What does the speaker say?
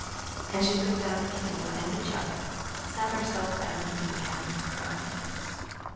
'* And she put down the candle and the jug, sat herself down and began a crying.